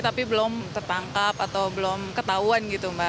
tapi belum tertangkap atau belum ketahuan